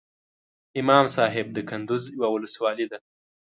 امام صاحب دکندوز یوه ولسوالۍ ده